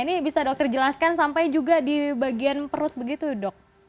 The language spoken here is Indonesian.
ini bisa dokter jelaskan sampai juga di bagian perut begitu dok